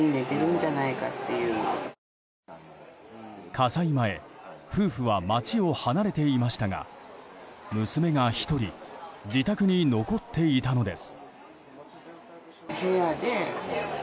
火災前夫婦は街を離れていましたが娘が１人自宅に残っていたのです。